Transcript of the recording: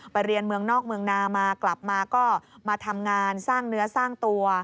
เรียนเมืองนอกเมืองนามากลับมาก็มาทำงานสร้างเนื้อสร้างตัว